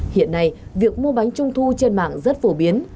hiện nay việc mua bánh trung thu trên mạng rất phổ biến